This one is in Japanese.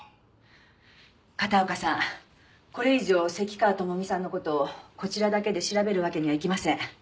片岡さんこれ以上関川朋美さんの事をこちらだけで調べるわけにはいきません。